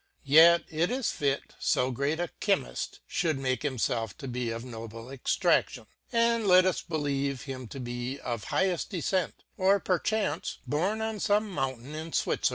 Yet it is fit fo greataChymift fhould makehimfelf to be of noble extraction : And let us believe him to be of high defcent, as perchance born on fome mountain in Swit zerland.